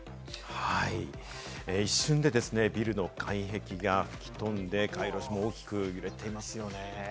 一瞬でビルの外壁が吹き飛んで、街路樹も大きく揺れてますね。